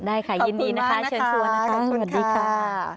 ได้ค่ะยินดีนะคะเชิญชัวร์นะคะสวัสดีค่ะขอบคุณมากค่ะ